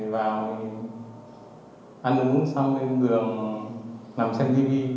vào ăn uống xong lên giường nằm xem tivi